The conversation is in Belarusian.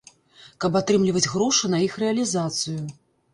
Каб атрымліваць грошы на іх рэалізацыю.